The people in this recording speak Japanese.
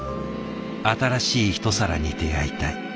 新しいひと皿に出会いたい。